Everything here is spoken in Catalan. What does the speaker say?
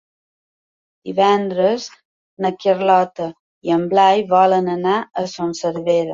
Divendres na Carlota i en Blai volen anar a Son Servera.